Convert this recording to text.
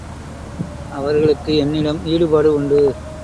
அவர்களுக்கு என்னிடம் ஈடுபாடு உண்டு.